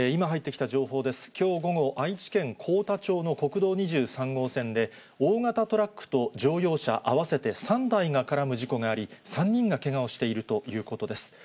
きょう午後、愛知県幸田町の国道２３号線で、大型トラックと乗用車合わせて３台が絡む事故があり、３人がけがをしているということです。